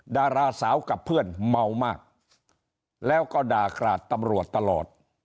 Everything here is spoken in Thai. ดาราสาวกับเพื่อนเมามากแล้วก็ด่ากราดตำรวจตลอด